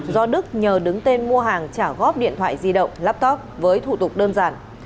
do đức nhờ đứng tên mua hàng trả góp điện thoại di động laptop với thủ tục đơn giản